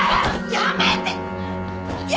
やめてよ！